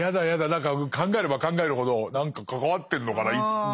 何か考えれば考えるほど何か関わってるのかなどっかで。